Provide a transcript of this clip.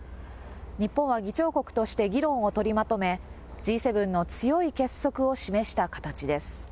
日本は議長国として議論を取りまとめ、Ｇ７の強い結束を示した形です。